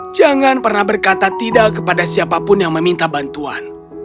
jangan pernah berkata tidak kepada siapapun yang meminta bantuan